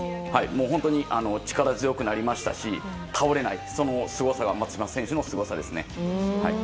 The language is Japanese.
本当に力強くなりましたし倒れない、そのすごさが松島選手のすごさですね。